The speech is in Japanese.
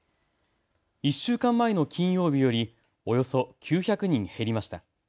１週間前の金曜日よりおよそ９００人減りました。